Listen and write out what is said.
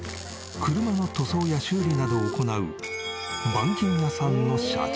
車の塗装や修理などを行う板金屋さんの社長。